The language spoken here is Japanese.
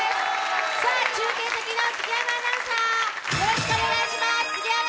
中継先の杉山アナウンサー、よろしくお願いします。